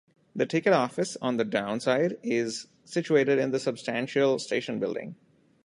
The ticket office, on the 'down' side, is situated in the substantial station building.